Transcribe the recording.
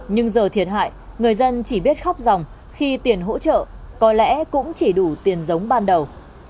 nhưng giờ thiệt hại người dân chỉ biết khóc dòng khi tiền hỗ trợ có lẽ cũng chỉ đủ tiền giống ban đầu